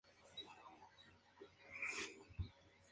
Phillip entonces termina su informe y lo presenta a la clase.